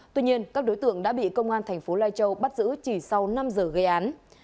tuy nhiên các đối tượng đã bị công an thành phố lai châu bắt giữ chỉ sau năm giờ gây án